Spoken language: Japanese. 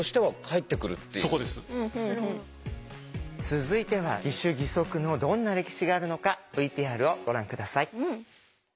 続いては義手義足のどんな歴史があるのかＶＴＲをご覧下さい。